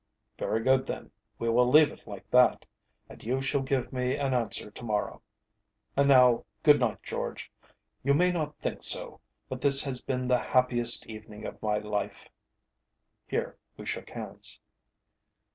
"Very good, then, we will leave it like that, and you shall give me an answer to morrow. And now good night, George. You may not think so, but this has been the happiest evening of my life." Here we shook hands.